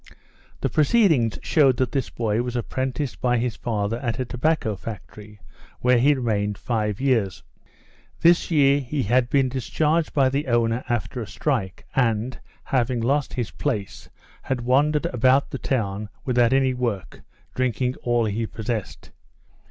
The proceedings showed that this boy was apprenticed by his father at a tobacco factory, where he remained five years. This year he had been discharged by the owner after a strike, and, having lost his place, he wandered about the town without any work, drinking all he possessed.